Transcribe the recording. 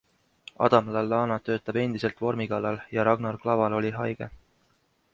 Adam Lallana töötab endiselt vormi kallal ja Ragnar Klavan oli haige.